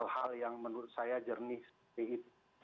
hal yang menurut saya jernih seperti itu